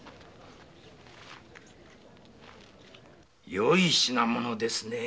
よい品物ですね。